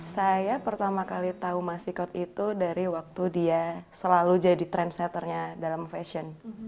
saya pertama kali tahu masikot itu dari waktu dia selalu jadi trendsetternya dalam fashion